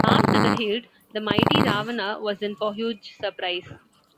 Armed to the hilt the mighty Ravana was in for a huge surprise.